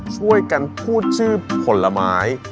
ช่วยกันพูดชื่อผลไม้